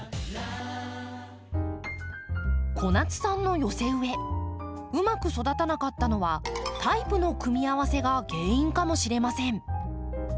小夏さんの寄せ植えうまく育たなかったのはタイプの組み合わせが原因かもしれません。